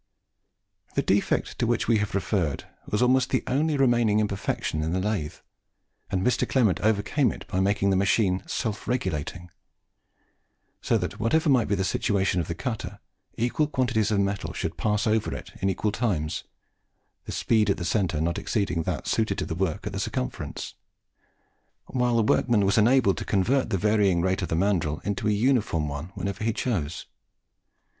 The defect to which we have referred was almost the only remaining imperfection in the lathe, and Mr. Clement overcame it by making the machine self regulating; so that, whatever might be the situation of the cutter, equal quantities of metal should pass over it in equal times, the speed at the centre not exceeding that suited to the work at the circumference, while the workman was enabled to convert the varying rate of the mandrill into a uniform one whenever he chose.